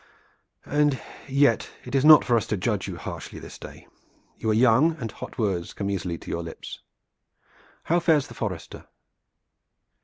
And yet it is not for us to judge you harshly this day. You are young and hot words come easily to your lips. How fares the forester?"